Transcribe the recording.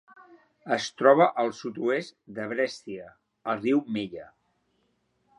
Es troba al sud-oest de Brescia, al riu Mella.